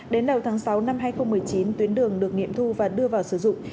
đến đầu tháng sáu năm hai nghìn một mươi chín tuyến đường được nghiệm thu và đưa vào sử dụng